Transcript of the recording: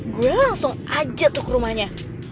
gue langsung aja tuh ke rumahnya